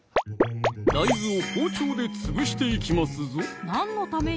大豆を包丁で潰していきますぞ何のために？